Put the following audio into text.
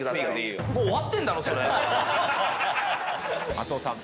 松尾さん